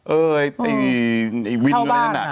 เออไอ้วินอะไรนั่น